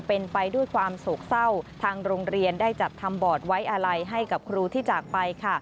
เป็นไปด้วยความโศกเศร้าทางโรงเรียนได้จัดทำบอร์ดไว้อาลัยให้กับครูที่จากไปค่ะ